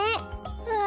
うわ！